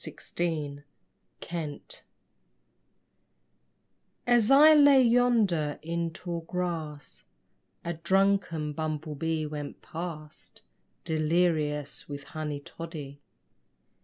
BUMBLE BEE As I lay yonder in tall grass A drunken bumble bee went past Delirious with honey toddy.